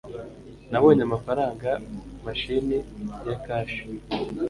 Nabonye amafaranga mashini ya cash